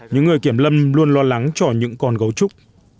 những người kiểm lâm luôn lo lắng cho những con gấu trúc